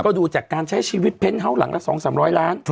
ก็ดูจากการใช้ชีวิตเพ้นเฮาส์หลังละ๒๓๐๐ล้าน